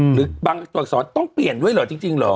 หรือบางตัวอักษรต้องเปลี่ยนด้วยเหรอจริงเหรอ